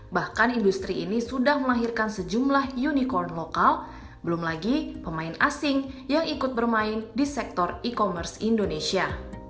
bahkan industri ini sudah melahirkan sejumlah unicorn lokal belum lagi pemain asing yang ikut bermain di sektor e commerce indonesia